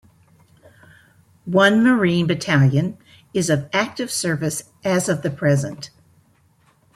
One Marine Battalion is of active service as of the present.